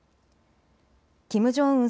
キム・ジョンウン